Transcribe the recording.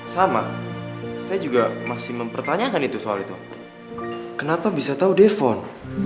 sama saya juga masih mempertanyakan itu soal itu kenapa bisa tahu defon